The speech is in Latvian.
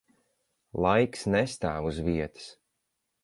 Laiks nestāv uz vietas.